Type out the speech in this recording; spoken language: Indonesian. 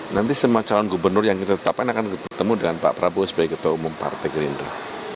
nanti semua calon gubernur yang kita tetapkan akan bertemu dengan pak prabowo sebagai ketua umum partai gerindra